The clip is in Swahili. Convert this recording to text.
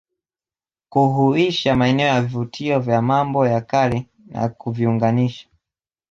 kuhuisha maeneo ya vivutio vya mambo ya Kale na kuviunganisha